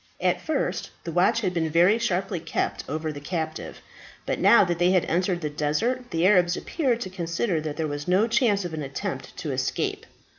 At first the watch had been very sharply kept over the captive; but now that they had entered the desert the Arabs appeared to consider that there was no chance of an attempt to escape.